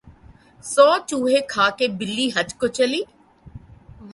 سو چوہے کھا کے بلی حج کو چلی